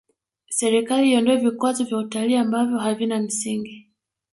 serikali iondoe vikwazo vya utalii ambavyo havina msingi